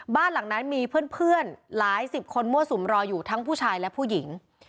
บ้านหลังนั้นมีเพื่อนหลายสิบคนมั่วสุมรออยู่ทั้งผู้ชายและผู้หญิง